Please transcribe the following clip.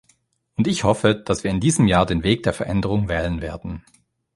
Und ich hoffe, dass wir in diesem Jahr den Weg der Veränderung wählen werden.